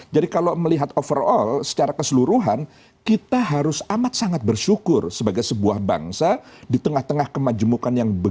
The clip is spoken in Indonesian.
jadi kalau melihat overall secara keseluruhan kita harus amat sangat bersyukur sebagai sebuah bangsa di tengah tengah kemajemukan yang begitu besar